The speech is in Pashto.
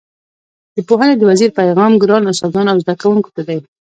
د پوهنې د وزیر پیغام ګرانو استادانو او زده کوونکو ته دی.